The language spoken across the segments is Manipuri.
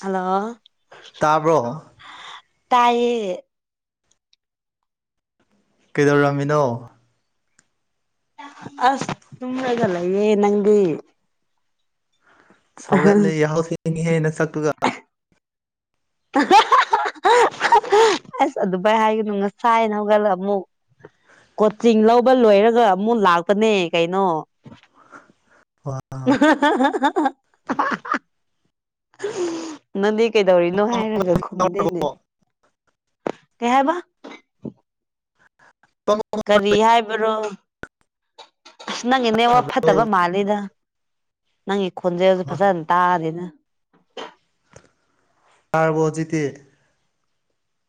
ꯍꯜꯂꯣ ꯇꯥꯕ꯭ꯔꯣ ꯇꯥꯏ ꯀꯩꯗꯧꯔꯝꯃꯤꯅꯣ ꯑꯁ ꯇꯨꯝ ꯂꯩꯒꯂꯌꯦꯦ ꯅꯪꯗꯤ ꯁꯧꯒꯠꯂꯦ ꯌꯥꯍꯧꯁꯤꯅꯤꯍꯦꯅ ꯁꯛꯇꯨꯒ [inaudible] [unintelligible] ꯑꯁ ꯑꯗꯨꯚꯥꯏ ꯍꯥꯏꯒꯅꯨ ꯉꯁꯥꯏꯅ ꯍꯧꯒꯜꯂ ꯑꯃꯨꯛ ꯀꯣꯆꯤꯡ ꯂꯧꯕ ꯂꯣꯏꯔꯒ ꯑꯃꯨꯛ ꯂꯥꯛꯄꯅꯦ ꯀꯩꯅꯣ ꯅꯗꯤ ꯀꯩꯗꯧꯔꯤꯅꯣ ꯍꯥꯏꯔꯒ ꯈꯨꯝꯗꯦꯅꯦ ꯀꯩ ꯍꯥꯏꯕ ꯀꯔꯤ ꯍꯥꯏꯕ꯭ꯔꯣ ꯑꯁ ꯅꯪ ꯏꯅꯦ ꯋꯥ ꯐꯠꯇꯕ ꯃꯥꯜꯂꯤꯗ ꯅꯪꯒꯤ ꯈꯣꯟꯖꯩ ꯍꯧꯁꯨ ꯐꯖꯅ ꯇꯥꯗꯅ ꯇꯥꯔꯕꯖꯤꯗꯤ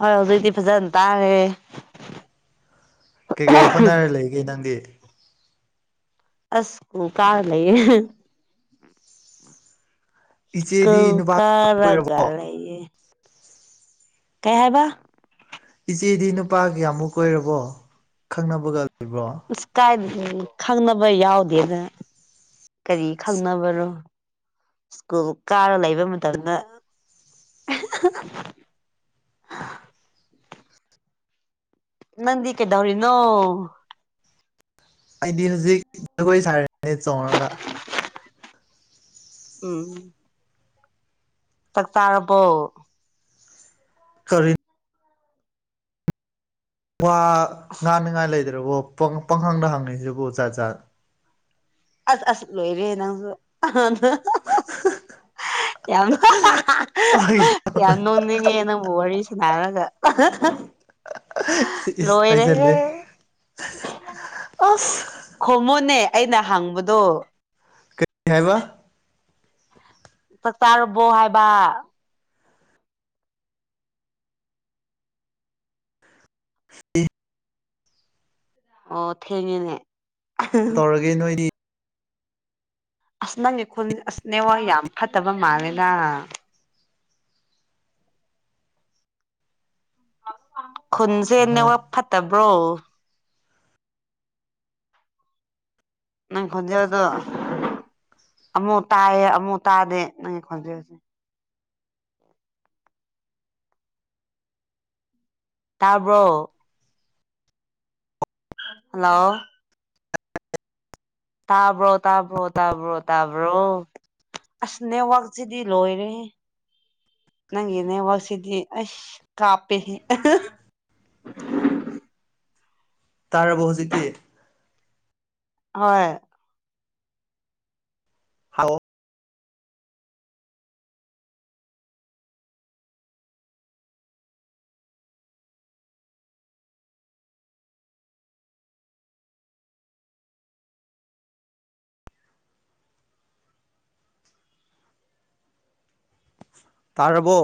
ꯍꯣꯏ ꯍꯧꯖꯤꯛꯇꯤ ꯐꯖꯅ ꯇꯥꯔꯦ ꯀꯩꯀꯩ ꯍꯣꯠꯅꯔ ꯂꯩꯒꯦ ꯅꯪꯗꯤ ꯑꯁꯁꯨ ꯀꯥꯂ ꯏꯆꯦꯗꯤ ꯀꯧ ꯅꯨꯄꯥ ꯀꯔꯒ ꯀꯣꯏꯔꯕꯣ ꯂꯩꯌꯦ ꯀꯩ ꯍꯥꯏꯕ ꯏꯆꯦꯗꯤ ꯅꯨꯄꯥ ꯀꯌꯥꯃꯨꯛ ꯑꯣꯏꯔꯕꯣ ꯈꯪꯅꯕꯒ ꯂꯩꯕ꯭ꯔꯣ ꯑꯁ ꯀꯥꯏ ꯈꯪꯅꯕ ꯌꯥꯎꯗꯦꯗ ꯀꯔꯤ ꯈꯪꯅꯕꯅꯣ ꯁ꯭ꯀꯨꯜ ꯀꯥꯔ ꯂꯩꯕ ꯃꯇꯝꯗ [inaudible] ꯅꯗꯤ ꯀꯦꯗꯧꯔꯤꯅꯣ ꯑꯩꯗꯤ ꯍꯧꯖꯤꯛ ꯖꯒꯣꯏ ꯁꯥꯔꯅꯦ ꯆꯣꯡꯉꯒ ꯎꯝ ꯆꯥꯛ ꯆꯥꯔꯕꯣ ꯀꯔꯤ ꯋꯥ ꯉꯥꯅꯤꯉꯥꯏ ꯂꯩꯇ꯭ꯔꯕꯣ ꯄꯪꯈꯪꯗ ꯍꯪꯢꯁꯤꯕꯨ ꯖꯥꯠ ꯖꯥꯠ ꯑꯁ ꯑꯁ ꯂꯣꯏꯔꯦ ꯅꯪꯁꯨ ꯌꯥꯝ ꯌꯥꯝ ꯅꯣꯡꯅꯤꯡꯉꯦ ꯅꯪ ꯋꯥꯔꯤ [inaudible] ꯔꯒ [inaudible] ꯥꯏꯖ ꯍꯥꯏꯖꯤꯜꯂꯦ ꯈꯨꯝꯃꯣꯅꯦ ꯑꯩꯅ ꯍꯪꯕꯗꯣ ꯀꯩ ꯍꯥꯏꯕ ꯆꯥꯛ ꯆꯥꯔꯕꯣ ꯍꯥꯏꯕ ꯑꯣ ꯊꯦꯡꯉꯦꯅꯦ ꯇꯔꯒꯦ ꯅꯣꯏꯗꯤ ꯑꯁ ꯅꯪꯒꯤ ꯈꯨꯜ ꯑꯁ ꯅꯦꯋꯥꯛ ꯌꯥꯝ ꯐꯠꯇꯕ ꯃꯥꯜꯂꯦꯗ ꯈꯨꯟꯁꯦ ꯍꯣꯏ ꯅꯦꯋꯥꯛ ꯐꯠꯇꯕ꯭ꯔꯣ ꯅꯪ ꯈꯣꯟꯖꯦꯜꯗꯣ ꯑꯃꯨꯛ ꯇꯥꯏꯌꯦ ꯑꯃꯨꯛ ꯇꯥꯗꯦ ꯅꯪ ꯈꯣꯟꯆꯦꯜ ꯇꯥꯕ꯭ꯔꯣ ꯍꯥꯜꯂꯣ ꯇꯥꯕ꯭ꯔꯣ ꯇꯥꯕ꯭ꯔꯣ ꯇꯥꯕ꯭ꯔꯣ ꯇꯥꯕ꯭ꯔꯣ ꯑꯁ ꯅꯦꯠꯋꯥꯛꯁꯤꯗꯤ ꯂꯣꯏꯔꯦꯍꯦ ꯅꯪꯒꯤ ꯅꯦꯠꯋꯥꯛꯁꯤꯗꯤ ꯑꯁ ꯀꯥꯞꯄꯦꯍꯦ [unintelligible] ꯇꯔꯕ꯭ꯔꯣ ꯍꯧꯖꯤꯛꯇꯤ ꯍꯣꯏ ꯍꯥꯎ ꯇꯥꯔꯕꯣ